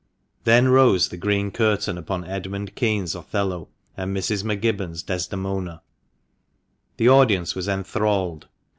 Then rose the green curtain upon Edmund Kean's Othello and Mrs. M'Gibbon's Desdemona. The audience was enthralled.